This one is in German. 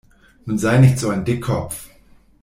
Nun sei nicht so ein Dickkopf!